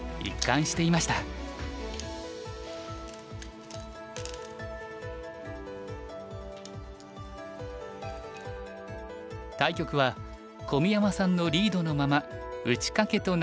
対局は小宮山さんのリードのまま打ち掛けとなりました。